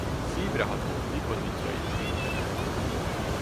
Szívre ható glikozidjaik nincsenek.